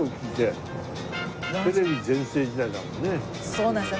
そうなんですよ。